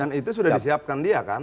dan itu sudah disiapkan dia kan